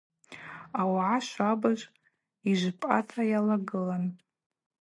Ауагӏа швабыж йыжвпӏарата йалагылан.